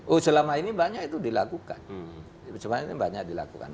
oh selama ini banyak itu dilakukan